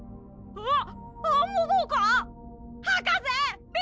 あっ！